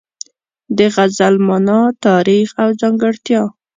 د غزل مانا، تاریخ او ځانګړتیا